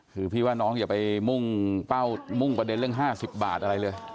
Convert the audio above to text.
คือพี่ว่าน้องอย่าไปมุ่งเป้ามุ่งประเด็นเรื่อง๕๐บาทอะไรเลย